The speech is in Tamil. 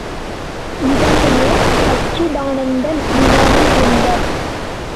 இதனையே சச்சிதானந்த விமானம் என்பர்.